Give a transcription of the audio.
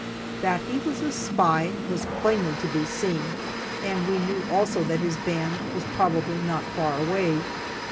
That he was a spy was plainly to be seen, and we knew also that his band was probably not far away.